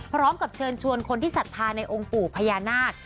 พร้อมกับเชิญชวนคนที่ศรัทธาในองค์ปู่พญานาค